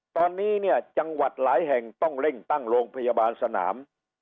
ตอนนี้เนี่ยจังหวัดหลายแห่งต้องเร่งตั้งโรงพยาบาลสนาม